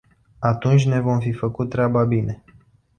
Atunci ne vom fi făcut treaba bine.